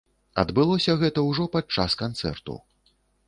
Адбылося гэта ўжо падчас канцэрту.